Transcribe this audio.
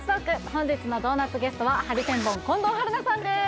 本日のドーナツゲストはハリセンボン近藤春菜さんです